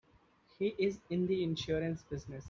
He's in the insurance business.